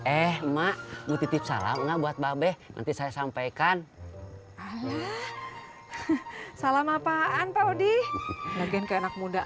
eh mak butik salamnya buat babes nanti saya sampaikan salam apaan pak odi lagi enggak muda